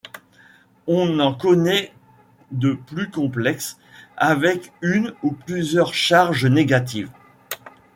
On en connaît de plus complexes, avec une ou plusieurs charges négatives.